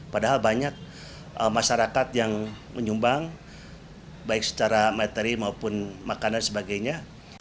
padahal banyak masyarakat yang menyumbang baik secara materi maupun makanan sebagainya